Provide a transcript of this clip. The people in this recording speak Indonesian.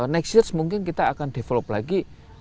next year mungkin kita akan develop lagi